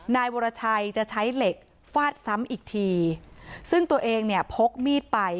นายวรชัยจะใช้เหล็กฟาดซ้ำอีกทีซึ่งตัวเองเนี่ยพกมีดไป